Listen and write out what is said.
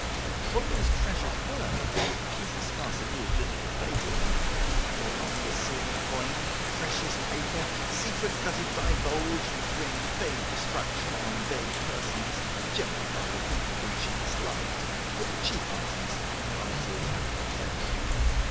What those treasures were, Mrs. Sparsit knew as little as they did. Gold and silver coin, precious paper, secrets that if divulged would bring vague destruction upon vague persons (generally, however, people whom she disliked), were the chief items in her ideal catalogue thereof.